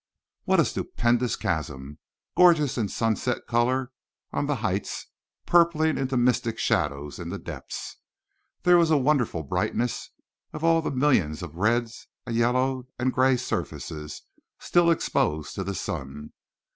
What a stupendous chasm, gorgeous in sunset color on the heights, purpling into mystic shadows in the depths! There was a wonderful brightness of all the millions of red and yellow and gray surfaces still exposed to the sun.